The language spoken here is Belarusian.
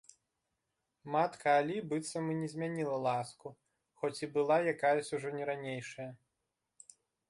Матка Алі быццам і не змяніла ласку, хоць і была якаясь ўжо не ранейшая.